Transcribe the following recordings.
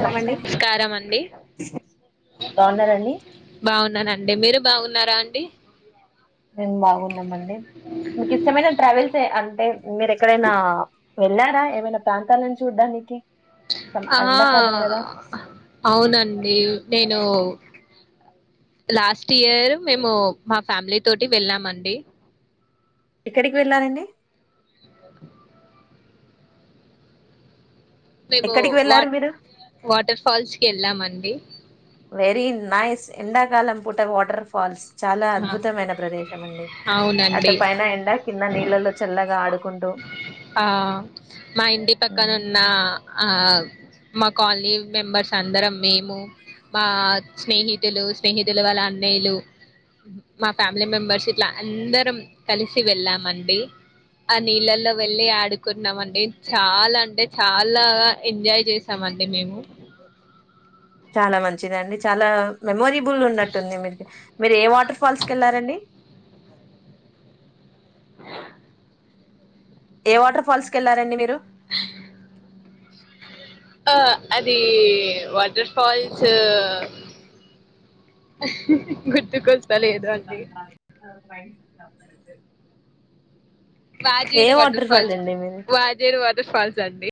నమస్కారమండి నమస్కారం అండి బాగున్నారండి బాగున్నానండి మీరు బాగున్నారా అండి మేము బాగున్నామండి మీకు ఇష్టమైన ట్రావెల్స్ ఏ- అంటే మీరు ఎక్కడైనా వెళ్ళారా ఏమైనా ప్రాంతాలను చూడ్డానికి ఆ అవునండి నేను లాస్ట్ ఇయర్ మేము మా ఫ్యామిలీ తోటి వెళ్ళామండి ఎక్కడికి వెళ్ళరండి మేము ఎక్కడికి వా వెళ్ళారు మీరు వాటర్ ఫాల్స్ కి వెళ్ళామండి వెరీ నైస్ ఎండాకాలం పూట వాటర్ ఫాల్స్ చాలా ఆ అద్భుతమైన ప్రదేశం అండి అవునండి అటు పైన ఎండ కింద నీళ్ళలో చల్లగా ఆడు కుంటు ఆ మా ఇంటి పక్కన ఉమ్, ఉన్న ఆ మా కాలనీ మెంబర్స్ అందరం మేము మా స్నేహితులు స్నేహితులు వల్ల అన్నయ్యలు ఉమ్ మా ఫ్యామిలీ మెంబర్స్ ఇట్లా అందరం కలిసి వెళ్ళామండి ఆ నీళ్లలో వెళ్ళి ఆడుకున్నామండి చాలా అంటే చాలా ఎంజాయ్ చేసామండి మేము చాలా మంచిదండి చాలా మెమోరీ బుల్ ఉన్నట్టుంది మీ మీరు ఏ వాటర్ ఫాల్స్ కి వెళ్లారండి ఏ వాటర్ ఫాల్స్ కి వెళ్ళరండి మీరు అ ఆ అది వాటర్ ఫాల్స్ గుతుకు ఏ వాజేడు వాటర్ ఫాల్ ఫాల్స్ అండి మీది వాజేడు వాటర్ ఫాల్స్ అండి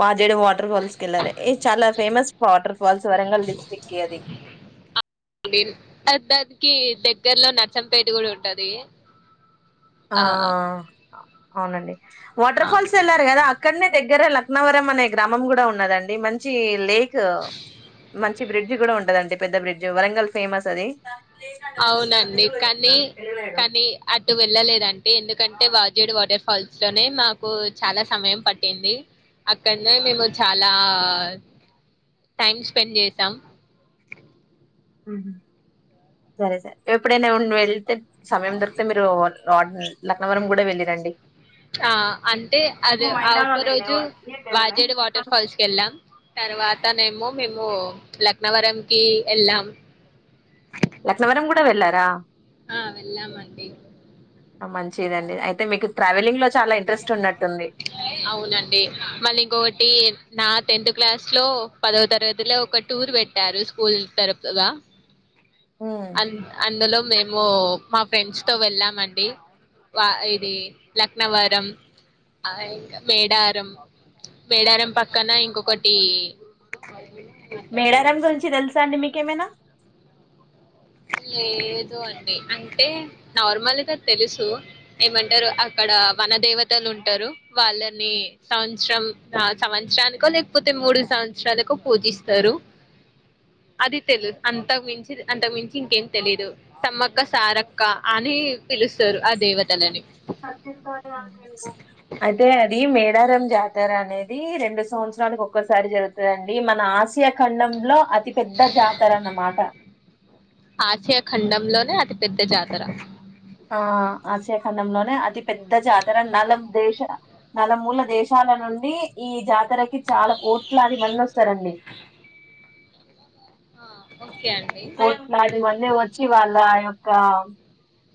వాజేడు వాటర్ ఫాల్స్ కెళ్లరేది చాలా famous water fall water falls Warangal district కే అది దానికి దగ్గరలో నసంపేట కూడా ఉంటది ఆ అవునండి వాటర్ ఆ ఫాల్స్ వెళ్ళారు కదా అక్కడనే దగ్గర లక్నవరం అనే గ్రామం కూడా ఉన్నదండి మంచి లేక్ క్ మంచి బ్రిడ్జ్ కూడా ఉంటదండి పెద్ద బ్రిడ్జ్ వరంగల్ ఫేమస్ అది అవునండి కానీ కానీ అ ఇటు వెళ్ళలేదంటే ఎందుకంటే వాజేడి వాటర్ ఫాల్స్ లోనే మాకు చాలా సమయం పట్టింది అక్కడనే మేము చాలా టైమ్ స్పెండ్ చేసాం సరే సర ఎప్పుడైనా వెళ్తే సమయం దొరికితే మీరు పోవాలి డ్ లక్నవరం కూడా వెళ్ళిరండి ఆ అంటే అది ఆ ఒక్క రోజు వాజేడి వాటర్ ఫాల్స్ కి వెళ్ళాం తర్వాతనేమో మేము లక్నవరం కి వెళ్ళాం లక్నవరం కూడా వెళ్ళారా ఆ వెళ్ళమండి మంచిదండి అయితే మీకు ట్రావెలింగ్ లో చాలా ఇంట్రెస్ట్ ఉన్నట్టుంది అవునండి మళ్ళీ ఇంకొకటి నా టెన్త్ క్లాస్ లో పదో తరగతిలో ఒక టూర్ పెట్టారు స్కూల్ తరపుగా ఉమ్. అ అందులో మేము మా ఫ్రెండ్స్ తో వెళ్ళామండి వా ఇది లక్నవరం ఆ ఇంకా మేడారం మేడారం పక్కన ఇంకొకటి మేడారం గురించి తెలుసా అండి మీకేమైనా లేదు అండి అంటే నార్మల్గా తెలుసు ఏమంటారు అక్కడ వన దేవతలు ఉంటారు వాళ్ళని సంవత్సరం సంవత్సరానికో లేకపోతే మూడు సంవత్సరాలకు పూజిస్తారు అది తెలుదు అంత మించి అంత మించి ఇంకేం తెలిదు సమ్మక్క సారక్క అని పిలుస్తారు ఆ దేవతలని డారం జాతర అనేది రెండు సంవత్సరనికి ఒక్కసారి జరుగుతుందండి మన ఆసియా ఖండంలో పెద్ద జాతర అన్నమాట ఆసియా ఖండం లో దే అతి పెద్ద జాతర ఆ ఆశయఖండంలోనే అతి పెద్ద జాతర నల దేశ నలమూల దేశాలు ాల నుండి ఈ జాతరకి చాలా కోట్లాది మంది వస్తారండి ఆ ఓకే అండి దనివన్న వచ్చి వాళ్ళ ఆ యొక్క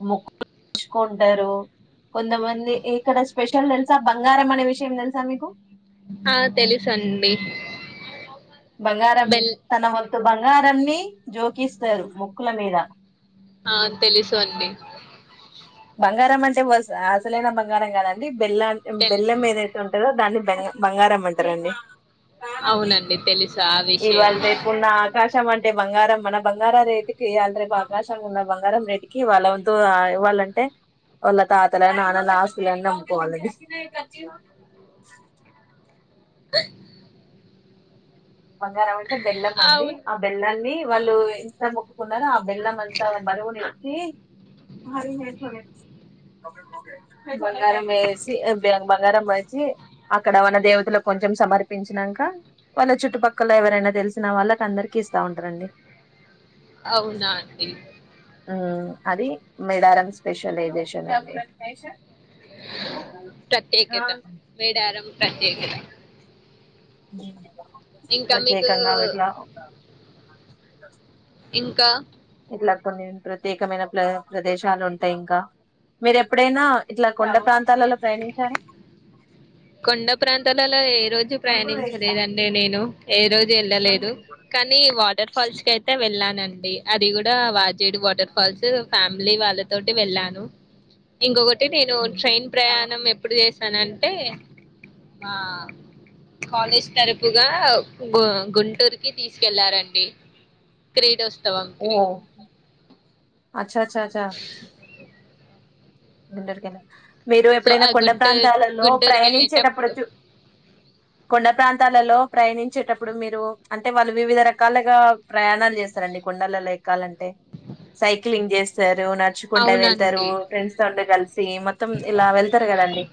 ముకు చుకుంటారు కొంతమంది ఇక్కడ స్పెషల్ తెలుసా బంగారం అనే విషయం తెలుసా మీకు ఆ తెలుసండి బంగారం తన వంతు బంగారాన్ని జోకిస్తారు మొక్కుల మీద ఆ తెలుసు అండి బంగారం అంటే అసలైన బంగారం కాదండి బెల్లం తెలుసు బెల్లం ఏదైతే ఉంటుందో దాన్ని బంగారం అంటారండి అవునండి తెలుసు ఆ విషయం ఇవాళ రేపు ఉన్న ఆకాశ శం అంటే బంగారం మన బంగారం రేటు కి [unintelligible] అవకాశం ఉన్న బంగారం రేటు కి వాళ్ళ వంతు ఇవ్వాలంటే టే వాళ్ళ తాతల నాన్నల ఆస్తులన్నీ అమ్ముకోవాలండి ఆ ట బంగారం అంటే బెల్లం అండి అవును ఆ బెల్లన్ని ఆ, వాళ్ళు ఎంత మొక్కుకున్నారో ఆ బెల్లం అంతా బరువు [unintelligible] బంగారం వేసి వే బంగారం వేసి అక్కడ వన దేవతలకు కొంచెం సమర్పించిన కా వాళ్ళ చుట్టుపక్కల ఎవరైనా తెలిసినా వాళ్ళకి అందరికి ఇస్తా ఉంటారండి అవునా అండి అది మేడారం స్పెషలైజేషన్ అండి ప్రత్యేకత మేడారం ప్రత్యేకత ఇంకా మీకు ప్రత్యేకంగా విట్లా ఇంకా ఇట్లా కొన్ని ప్రత్యేకమైన ప్ర ప్రదేశాలు ఉంటాయి ఇంకా మీరు ఎప్పుడైనా ఇట్లా కొండ ప్రాంతాలలో ప్రయాణించారా కొండ ప్రాంతాలలో ఏ రోజు ప్రయాణించలేదండి నేను ఏ రోజు వెళ్ళలేదు కానీ వాటర్ ఫాల్స్ కి అయితే వెళ్ళానా అండి అది కూడా వాజేడు వాటర్ ఫాల్స్ ఫ్యామిలీ వాళ్ళతోటి వెళ్ళాను ఇంకొకటి నేను ఉమ్. ట్రైన్ ప్రయాణం ఎప్పుడు చేసానంటే మా కాలేజ్ తరపుగా గు గుంటూరుకి తీసుకెళ్లారండి క్రీడోత్సవం కి చా చా చా [unintelligible] మీరు సో ఎప్పుడైనా ఆ కొండ గుంటూరు ప్రాంతాలలో గుంటూరుకి ప్రయాణించేటప్పుడు వెళ్ళేటప్పుడు చ కొండ ప్రాంతాలలో ప్రయాణించేటప్పుడు మీరు అంటే వాళ్ళు వివిధ రకాలుగా ప్రయాణాలు చేస్తారండి కొండలలో ఎక్కాలంటే సైక్లింగ్ చేస్తారు నడుచుకుంటే వెళ్తారు అవునండి ఫ్రెం తోటి కలిసి మొత్తం ఇలా వెళ్తారు కదండీ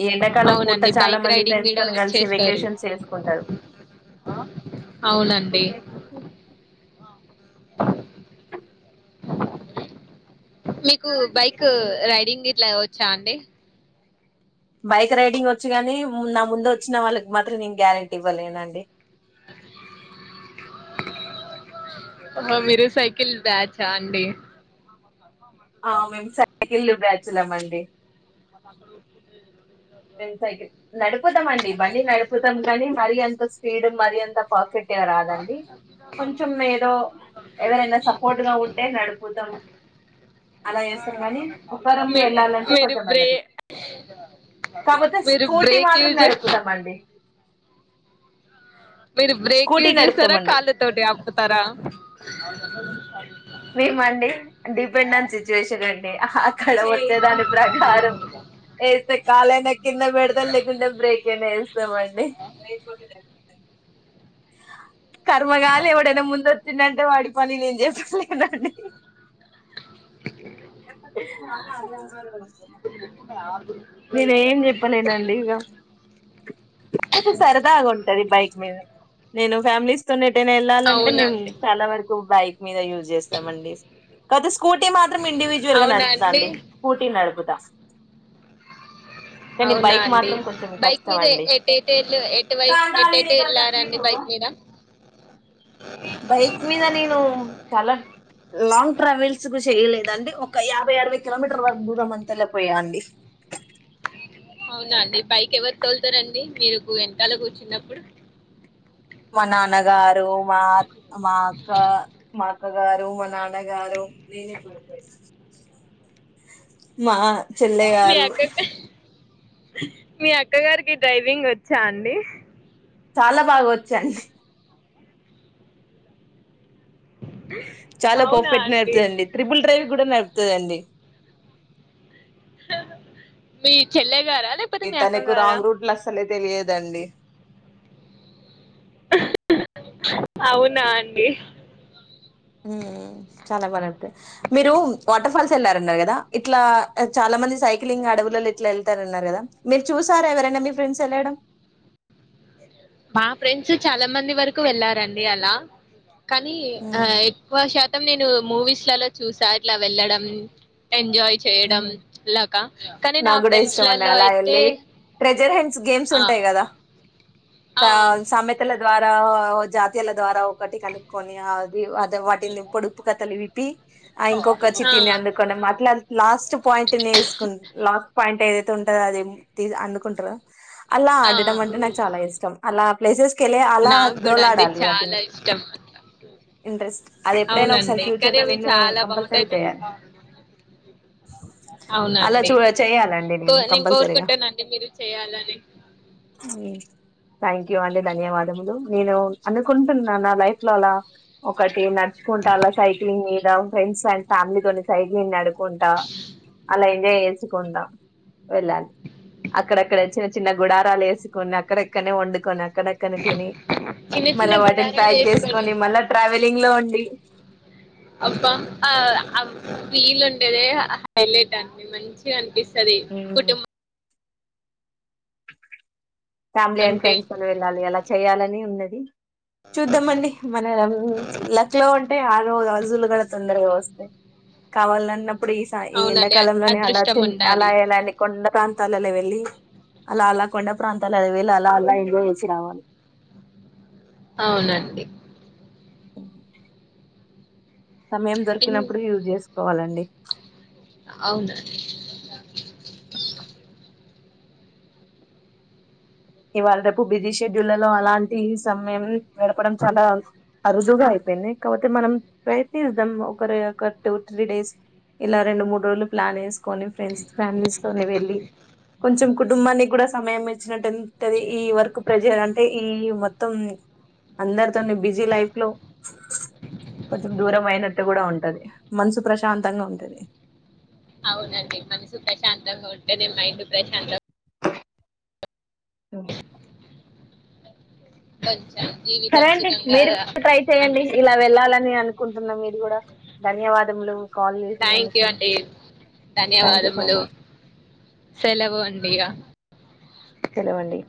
ఈ ఎండాకాలం పూట అవునండి చాలా బైక్ మంది రైడింగ్ ఫ్రెండ్స్ కూడా తని కలిసి వెకేషన్స్ వేసుకుంటారు ఆ అవునండి మీకు బైక్ రైడింగ్ గిట్లా వచ్చా అండి బైక్ రైడింగ్ వచ్చి గాని నా ముందు వచ్చిన వాళ్ళకి మాత్రం నేను గ్యారంటీ ఇవ్వలేనండి అమ్మ మీరు సైకిల్ బ్యాచ్ అండి ఆ మేము సైకిల్ బ్యాచిలమండి [inaudible] మేము సైకిల్ నడుపుతామండి బండి నడుపుతాం గానీ మరి అంత స్పీడ్ మరి అంత ఫర్ఫెక్ట్ గా రాదండి కొంచెం ఏదో ఎవరైనా సపోర్ట్ గా ఉంటే నడుపుతాం అలా చేస్తాం కాని ఒక్కరం మీ వెళ్ళాలంటే మీరు కొంచెం బ్రే భయమైతుంది కాపోతే మీరు స్కూటీ బ్రేక్ మాత్రం యూజ్ చేస్ నడుపుతాండి మీరు బ్రేక్ స్కూటీ యూజ్ చేస్తారా నడుపుతామండి కాళ్ళు తోటి ఆపుతారా మేమండి డిపెండ్ ఆన్ సిచ్యువేషన్ అండి అక్కడ వచ్చే దాని ప్రకారం ఏస్తా కాలేనా కింద పెడతాం లేకుంటే బ్రేక్ అయినా ఏస్తా మండి కర్మగాలి ఎవడైనా ముందు వచ్చిండు అంటే వాడి పని నేను చెప్పలే [unintelligible] అ నేను ఏం చెప్పలేనండి ఇగ సరదాగా ఉంటది బయ నేను ఫ్యామిలీస్ తోనేటైనా వెళ్ళాలంటే మేము అవునండి చాలా వరకు బైక్ మీద యూస్చేస్తామండి కాపోతే స్కూటీ మాత్రం ఇండివిజువల్ గా నడుపుతా అండి స్కూటీ నడుపుత ప్త అవునా అండి కొంచెం బైక్ కష్టం మీద అండి ఎట్టైట్ అటెట్వైపే వెళ్ళారండి బైక్ [inaudible] బైక్ మీద నేను చాలా లాంగ్ ట్రావెల్స్ కు చేయలేదు యండి ఒక యాభై అరవై కిలోమీటర్ వరకు దూరం అంతా లేపోయా అండి అవునా అండి బైక్ ఎవరికి వెళ్తారండి మీరుకు ఎంనకాల కూర్చున్నప్పుడు మా నాన్నగారు మా మా అక్క మా అక్క గారూ మా నాన్నగారు నేపోయి మా చెల్లె మీ గారు అక్క క మీ అక్క గారికి డ్రైవింగ్ ఒచ్చా అండి చాలా బాగా ఒచ్చండి చాలా అవునా పర్ఫెక్ట్ అండి నడుతుందిండి ట్రిపుల్ డ్రైవ్ కూడా నడు పతుదడి మీ చెల్ల ఈ తనకు రాంగ్ రూట్లు అసలే తెలియదండి అవునా అండి హ చాలా బాగాతుంది మీరు వాటర్ ఫాల్స్ వెళ్లారన్నారు కదా ఇట్లా చాలా మంది సైకిలింగ్ అడవులలో ఇట్లా వెళ్తారున్నారు కదా మీరు చూసారా ఎవరైనా మీ ఫ్రెండ్స్ ఎళ్ళడం మా ఫ్రెండ్స్ చాలా మంది వరకు వెళ్లారండి అలా కానీ ఆ ఎక్కువ శాతం నేను మూవీస్లలో చూసా ఇట్ల వెళ్లడం ఎంజాయ్ చేయడం ఇలాగా కానీ నా నాకు కూడా ఫ్రెండ్స్ ఇష్టం అండి లలో అలా అయితే వెళ్ళి ట్రెజర్ హెండ్స్ గేమ్స్ ఆ ఉంటాయి గదా ఆ సమెతల ద్వారా జాతీయల ద్వారా ఒకటి కనుక్కకొని అద వాటిని పొడుపు కథలు విపి ఆ ఇంకొక ఆ చిట్టిని అందుకో అట్లా లాస్ట్ పాయింట్ని వేసుకు లాక్ పాయింట్ ఏదైతే ఉంటందో అది అనుకుంటారా అలా ఆ ఆడడం అంటే నాకు చాలా ఇష్టం అలా ప్లేసెస్ కేలే అలా నాకు కూడా అంటే దోలాడాలి చాలా వాటిని ఇష్టం అట్లా ఇంట్రెస్ట్ అది ఎప్పుడైనా ఒకసారి అవునండి ఫ్యూచర్ కానీ లో అవి నేను చాలా కంపల్సరీ బాగుంటాయి కానీ చేయాలి [inaudible] అలా అవునండి చూడ చెయాలండి కో నేను కంపల్సరిగా కోరుకుంటానండి మీరు చేయాలని ఉమ్ థ్యాంక్ యూ అండి ధన్యవాదములు నేను అనుకుంటున్నా నా లైఫ్ లో అలా ఒకటి నచ్చుకుంటాా సైక్లింగ్ మీద ఫ్రెండ్స్ అండ్ ఫ్యామిలీ తోని సైక్లింగ్ నిడుం అలా ఎంజాయ్ చేసుకుంటా వెళ్ళాలి అక్కడక్కడ చిన్న చిన్న గుడారాలు వేసుకొని అక్కడక్కడనే వండుకొని డక్కని తిని చిన్న మళ్ళ చిన్న వాటిని గుడారాలు ప్యాక్ వేసుకోండి చేసుకొని మళ్ళ ట్రావెలింగ్ లో ఉ [inaudible] అబ్బా ఆ వీలు ఉండే దే హైలైట్ అండి మంచిగా అనిపిస్తుంది. టది ఉమ్, కుటుంబం ఫ్యామిలీ అండ్ ఉంటే ఫ్రెండ్స్ తో ని వెళ్ళాలి ఎలా చేయాలని ఉన్నది. చూద్దామండి మన లక్ లో ఉంటే ఆ రోజు గూడా గ తొందరగా వస్తాయి కావాలన్నప్పుడు ఈ ఈ అవునండి ఎండాకాలంలోనే అలా అదృష్టం అలా ఉండాలి ఎలాని కొండ ప్రాంత తలల వెళ్ళి అలా అలా కొండ ప్రాంతాలు అది వీళ్ళు అలా అలా ఎంజాయ్ చేచి రావాలి అవునండి [unintelligible] సమయం ఇన్ దొరికినప్పుడు యూజ్ చేసుకోవాలండి అవునండి ఇవాళ రేపు బిజీ షెడ్యూల్లో అలాంటి సమయం దొరకడం చాలా అరుదుగా అయితుంది పో కాకపోతే మనం ప్రయత్నిద్దాం ఒకరు ఒక టూ త్రీ డేస్ ఇలా రెండు మూడు రోజులు ప్లాన్ ఏసుకొని కొని ఫ్రెండ్స్ ఫ్యామిలీస్ తోని వెళ్ళి కొంచెం కుటుంబానికి కూడా సమయం ఇచ్చినట్టు ఉంటది ఈ వర్కు ప్రెజర్ అంటే ఈ మొత్తం అందరితోను బిజీ లైఫ్ లో కొంచెం దూరం అయినట్టు కూడా ఉంటది మనసు ప్రశాంతంగా ఉంటది అవునండి మనసు ప్రశాంతంగా ఉంటేనే మైండ్ ప్రశాంతంగా ఉంటది ఉ బ [unintelligible] సరే అండి మీరు కూడా ట్రై చెయ్యండి ఇలా అనిపిస్తుంది వెళ్ళాలని అనుకుంటున్నాం కూడా ధన్యవాదములు కాల్ థ్యాంక్ యూ చేసినందుకు అండి థ్యాంక్ యూ సో ధన్యవాదములు మచ్ సెలవు అండి ఇక సెలవండి